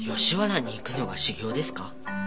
吉原に行くのが修行ですか？